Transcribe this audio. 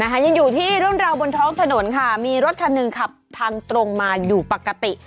ยังอยู่ที่รุ่นเราบนท้องถนนค่ะมีรถคันหนึ่งขับทางตรงมาอยู่ปกติ